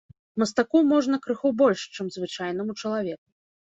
Мастаку можна крыху больш, чым звычайнаму чалавеку.